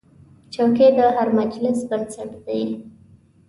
چوکۍ د هر مجلس بنسټ دی.